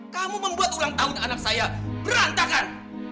kamu membuat ulang tahun anak saya berantakan